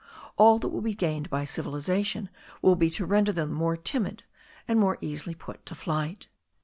All that will be gained by civilization will be to render them more timid and more easily put to flight.